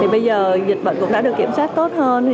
bây giờ dịch bệnh cũng đã được kiểm soát tốt hơn